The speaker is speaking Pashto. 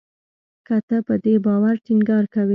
که ته په دې باور ټینګار کوې